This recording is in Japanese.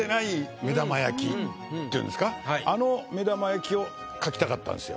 あの目玉焼きを描きたかったんですよ。